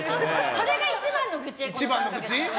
それが一番の愚痴！